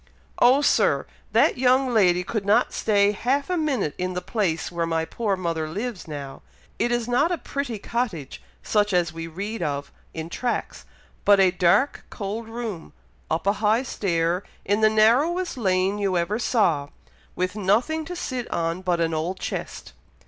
"Oh, Sir! that young lady could not stay half a minute in the place where my poor mother lives now. It is not a pretty cottage such as we read of in tracts, but a dark cold room, up a high stair, in the narrowest lane you ever saw, with nothing to sit on but an old chest."